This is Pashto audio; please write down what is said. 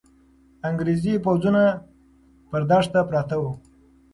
انګریزي پوځونه پر دښته پراته وو.